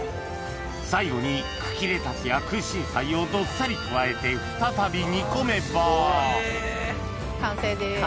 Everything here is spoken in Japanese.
最後に茎レタスや空心菜をどっさり加えて再び煮込めば完成です。